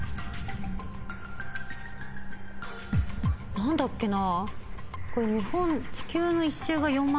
何だっけな？